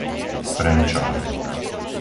Prenčov